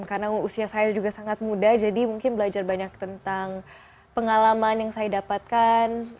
karena usia saya juga sangat muda jadi mungkin belajar banyak tentang pengalaman yang saya dapatkan